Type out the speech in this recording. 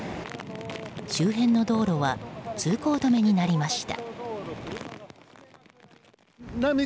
周辺の道路は通行止めになりました。